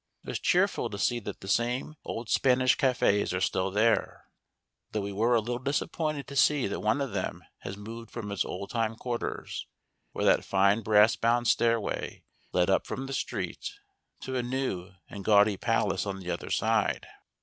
It was cheerful to see that the same old Spanish cafés are still there, though we were a little disappointed to see that one of them has moved from its old time quarters, where that fine brass bound stairway led up from the street, to a new and gaudy palace on the other side.